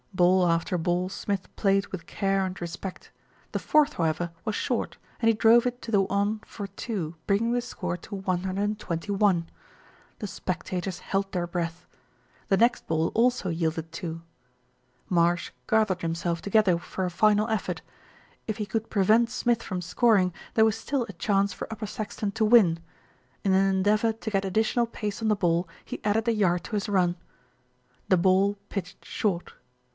Ball after ball Smith played with care and respect; 214 THE RETURN OF ALFRED the fourth, however, was short, and he drove it to the on for two, bringing the score to 121. The spectators held their breath. The next ball also yielded two. Marsh gathered himself together for a final effort. If he could prevent Smith from scoring, there was still a chance for Upper Saxton to win. In an endeavour to get additional pace on the ball he added a yard to his run. The ball pitched short.